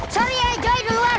sorry eh joy duluan